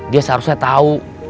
dia seharusnya tau